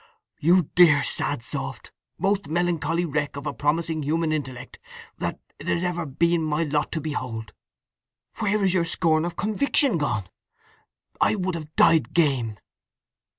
"You dear, sad, soft, most melancholy wreck of a promising human intellect that it has ever been my lot to behold! Where is your scorn of convention gone? I would have died game!"